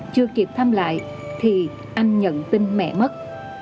chưa kịp thăm lại thì anh nhận tin mẹ mất